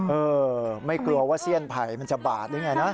เออไม่กลัวว่าเสี้ยนไผ่มันจะบาดหรือไงนะ